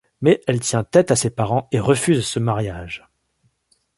Mais elle tient tête à ses parents et refuse ce mariage.